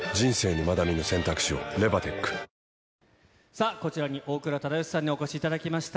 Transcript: さあ、こちらに大倉忠義さんにお越しいただきました。